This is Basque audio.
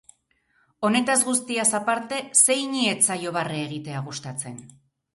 Honetaz guztiaz aparte, zeini ez zaio barre egitea gustatzen?